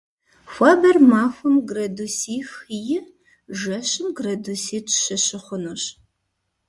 Хуабэр махуэм градусих – и, жэщым градуситӏ - щы щыхъунущ.